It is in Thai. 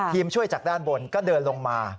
ช่วยจากด้านบนก็เดินลงมา